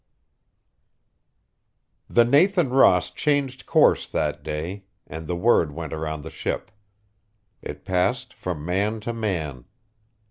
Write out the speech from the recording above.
XII The Nathan Ross changed course that day; and the word went around the ship. It passed from man to man.